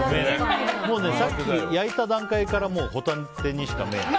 もう、さっき焼いた段階からホタテにしか見えない。